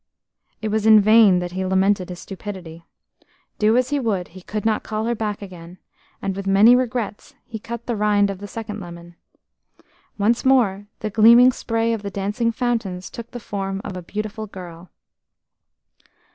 It was in vain that he lamented his stupidity. Do as he would, he could not call her back again, and with many regrets he cut the rind of the second lemon. Once more the gleaming spray of the dancing fountains took the form of a beautiful girl.